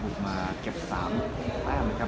อุดมาแก๊ป๓แปบนะครับ